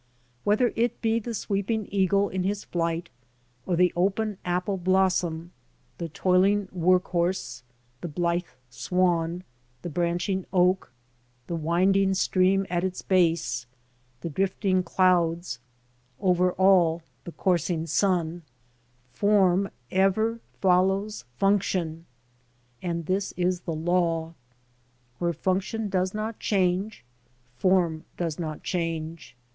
Whether it be the sweeping eagle in his flight, or the open apple blossom, the toiling work horse, the blithe swan, the branching oak, the winding stream at its base, the drifting clouds, over all the coursing nun, form ever follows function, and this is the law. Where function does not change, form does not change.